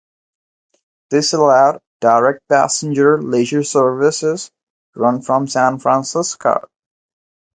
This allowed direct passenger leisure services to run from San Francisco.